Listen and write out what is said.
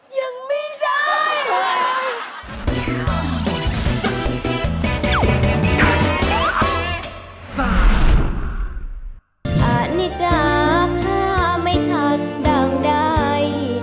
ยังไม่ได้